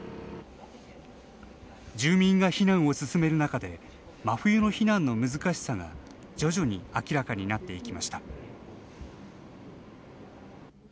住民が避難を進める中で真冬の避難の難しさが徐々に明らかになっていきました。